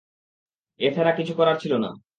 এ ছাড়া কিছু করার ছিল না।